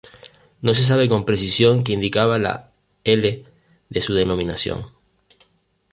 No se sabe con precisión que indicaba la "I" de su denominación.